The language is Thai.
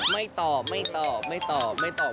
ไม่ตอบไม่ตอบไม่ตอบไม่ตอบ